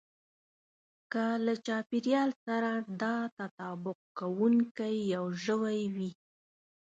که له چاپېريال سره دا تطابق کوونکی يو ژوی وي.